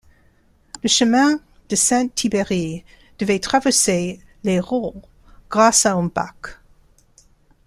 Le chemin de Saint-Thibéry devait traverser l'Hérault grâce à un bac.